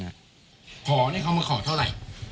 ได้ขอเขามาขอเท่าไหร่